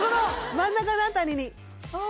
真ん中の辺りに・ああ